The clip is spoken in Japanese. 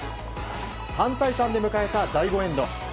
３対３で迎えた第５エンド。